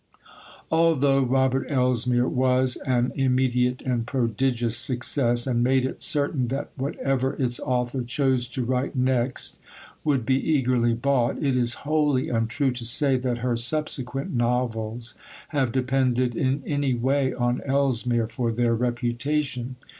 Although Robert Elsmere was an immediate and prodigious success, and made it certain that whatever its author chose to write next would be eagerly bought, it is wholly untrue to say that her subsequent novels have depended in any way on Elsmere for their reputation.